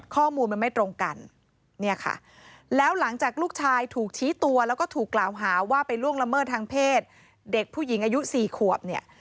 ข้อมูลมันไม่ตรงกันเนี่ยค่ะแล้วหลังจากลูกชายถูกชี้ตัวแล้วก็ถูกกล่าวหาว่าไปล่วงละเมิดทางเพศเด็กผู้หญิงอายุ๔ขวบเนี่ย